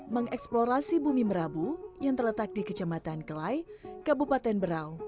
mengeksplorasi bumi merabu yang terletak di kecamatan kelai kabupaten berau